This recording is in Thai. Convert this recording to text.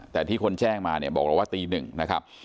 แต่ที่คนแจ้งมาเนี่ยบอกเราว่าตีหนึ่งนะครับ